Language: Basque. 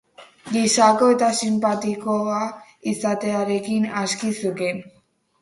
Gisakoa eta sinpatikoa izatearekin aski zukeen.